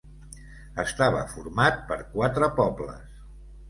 Estava format per quatre pobles.